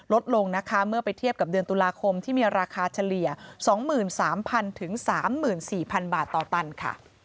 ลดลงนะคะเมื่อไปเทียบกับเดือนตุลาคมที่มีราคาเฉลี่ย๒๓๐๐๓๔๐๐บาทต่อตันค่ะ